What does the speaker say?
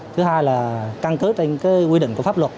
thứ hai là căn cứ trên quy định của pháp luật